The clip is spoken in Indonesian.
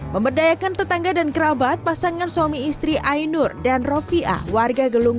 memberdayakan tetangga dan kerabat pasangan suami istri ainur dan rofiah warga gelung